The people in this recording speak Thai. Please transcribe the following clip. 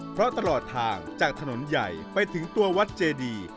เพราะตลอดทางจากถนนใหญ่ไปถึงตัววัดเจดี